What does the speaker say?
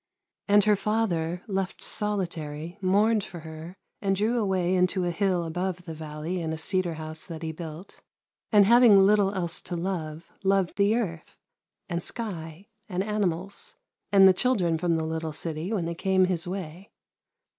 And her father, left solitary, mourned for her, and drew away into a hill above the valley in a cedar house that he built ; and having little else to love, loved the earth, and sky, and animals, and the children from the little city when they came his way.